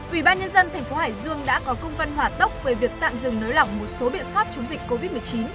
ủy ban nhân dân thành phố hải dương đã có công văn hỏa tốc về việc tạm dừng nới lỏng một số biện pháp chống dịch covid một mươi chín